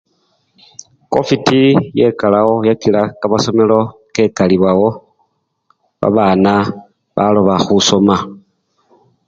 Covidi yekalawo! yakila kamasomelo kekalibwawo babana baloba khusoma.